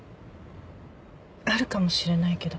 あるかもしれないけど。